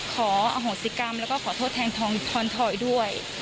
ขออโหสิกรรมแล้วก็ขอโทษแทนทองถอยด้วย